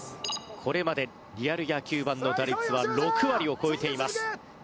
これまでリアル野球ＢＡＮの打率は６割を超えています。